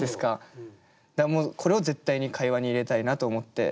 だからもうこれを絶対に会話に入れたいなと思って。